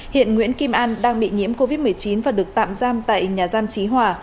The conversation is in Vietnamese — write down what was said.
hiện nguyễn kim an đang bị nhiễm covid một mươi chín và được tạm giam tại nhà giam trí hòa